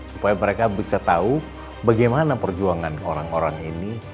supaya mereka bisa tahu bagaimana perjuangan orang orang ini